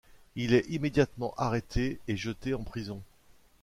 Il est immédiatement arrêté et jeté en prison.